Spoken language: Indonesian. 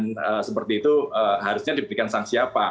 dan seperti itu harusnya diberikan sanksi apa